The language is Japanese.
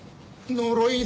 呪い？